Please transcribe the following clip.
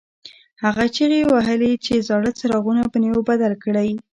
هغه چیغې وهلې چې زاړه څراغونه په نویو بدل کړئ.